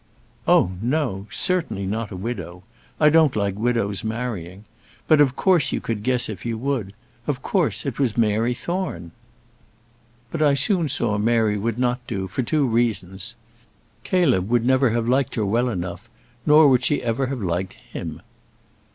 "Oh, no; certainly not a widow. I don't like widows marrying. But of course you could guess if you would; of course it was Mary Thorne. But I soon saw Mary would not do, for two reasons; Caleb would never have liked her well enough nor would she ever have liked him."